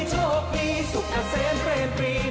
ห้องนี้